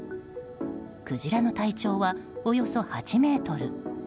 クジラの体長は、およそ８ｍ。